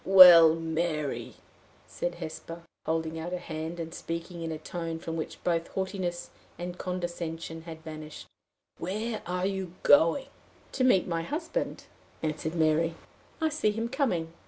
"Well, Mary," said Hesper, holding out her hand, and speaking in a tone from which both haughtiness and condescension had vanished, "where are you going?" "To meet my husband," answered Mary. "I see him coming."